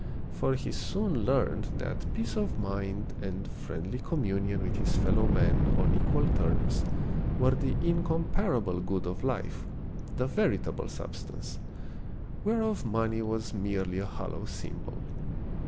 For he soon learned that peace of mind and friendly com IntrodMctioii. IX munion with his fellow men on equal terms were the incomparable good of life, the veritable substance, whereof money was merely a hollow symbol.